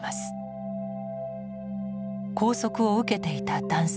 拘束を受けていた男性。